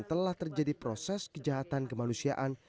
telah terjadi proses kejahatan kemanusiaan